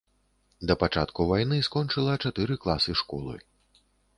Да пачатку вайны скончыла чатыры класы школы.